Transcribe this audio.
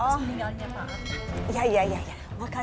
atas niatnya pak arta